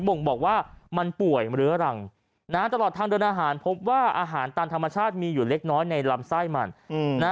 ่งบอกว่ามันป่วยเรื้อรังตลอดทางเดินอาหารพบว่าอาหารตามธรรมชาติมีอยู่เล็กน้อยในลำไส้มันนะ